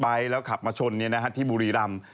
เดี๋ยวเขาขับมาชนที่บูรีลำ